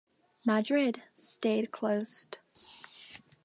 "Madrid" stayed closed.